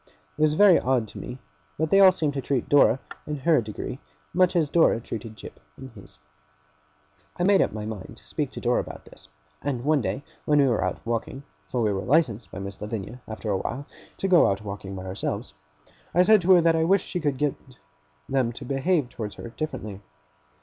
It was very odd to me; but they all seemed to treat Dora, in her degree, much as Dora treated Jip in his. I made up my mind to speak to Dora about this; and one day when we were out walking (for we were licensed by Miss Lavinia, after a while, to go out walking by ourselves), I said to her that I wished she could get them to behave towards her differently.